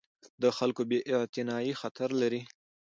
د خلکو بې اعتنايي خطر لري